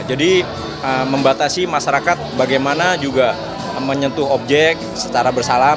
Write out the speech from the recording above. jadi membatasi masyarakat bagaimana juga menyentuh objek secara bersalam